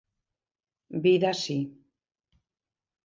Vida si.